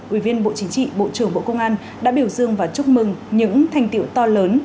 ủy viên bộ chính trị bộ trưởng bộ công an đã biểu dương và chúc mừng những thành tiệu to lớn